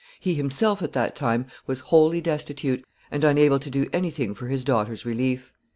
He himself, at that time, was wholly destitute, and unable to do any thing for his daughter's relief.